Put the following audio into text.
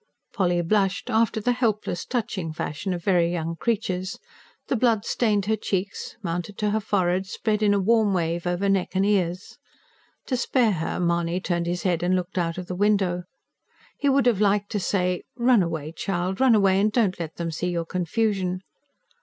Polly blushed, after the helpless, touching fashion of very young creatures: the blood stained her cheeks, mounted to her forehead, spread in a warm wave over neck and ears. To spare her, Mahony turned his head and looked out of the window. He would have liked to say: Run away, child, run away, and don't let them see your confusion.